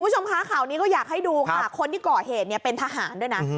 คุณผู้ชมคะข่าวนี้ก็อยากให้ดูค่ะคนที่ก่อเหตุเนี่ยเป็นทหารด้วยนะ